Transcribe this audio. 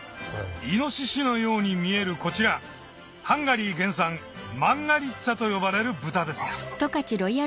イノシシのように見えるこちらハンガリー原産マンガリッツァと呼ばれる豚です